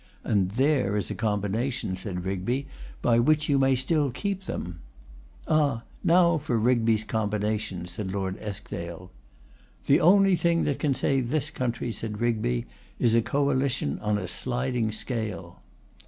'And there is a combination,' said Rigby, 'by which you may still keep them.' 'Ah! now for Rigby's combination,' said Lord Eskdale. 'The only thing that can save this country,' said Rigby, 'is a coalition on a sliding scale.